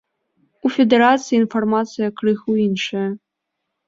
У федэрацыі інфармацыя крыху іншая.